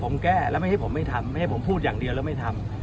ผมแก้แล้วไม่ให้ผมไม่ทำไม่ให้ผมพูดอย่างเดียวแล้วไม่ทำ